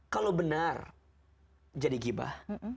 kalau benar jadi gibah